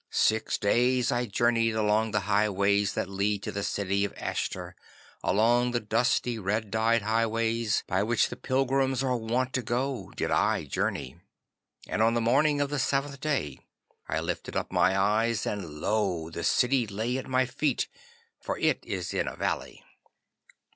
Six days I journeyed along the highways that lead to the city of Ashter, along the dusty red dyed highways by which the pilgrims are wont to go did I journey, and on the morning of the seventh day I lifted up my eyes, and lo! the city lay at my feet, for it is in a valley.